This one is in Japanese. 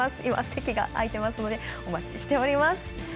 今、席が空いてますのでお待ちしております。